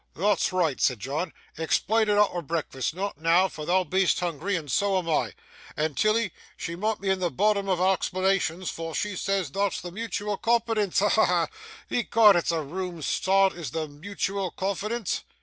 'Thot's reeght!' said John, 'explain it arter breakfast, not noo, for thou be'est hoongry, and so am I; and Tilly she mun' be at the bottom o' a' explanations, for she says thot's the mutual confidence. Ha, ha, ha! Ecod, it's a room start, is the mutual confidence!